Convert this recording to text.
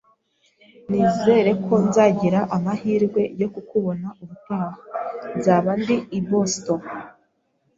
Nizere ko nzagira amahirwe yo kukubona ubutaha nzaba ndi i Boston.